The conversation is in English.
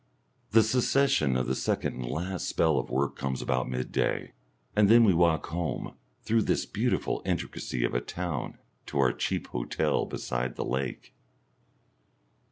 The cessation of the second and last spell of work comes about midday, and then we walk home, through this beautiful intricacy of a town to our cheap hotel beside the lake.